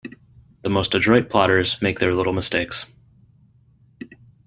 The most adroit plotters make their little mistakes.